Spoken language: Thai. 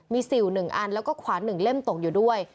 มีสิว๑อันแล้วก็ขวาน๑เล่มตกอยู่ด้วย